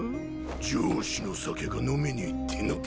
上司の酒が飲めねぇってのか？